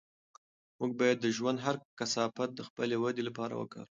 موږ باید د ژوند هر کثافت د خپلې ودې لپاره وکاروو.